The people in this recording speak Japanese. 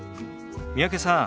三宅さん